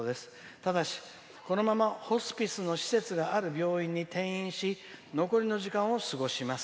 ただし、このままホスピスの施設がある病院に転院し残りの時間を過ごします」。